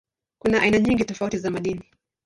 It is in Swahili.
Kuna aina nyingi tofauti za madini.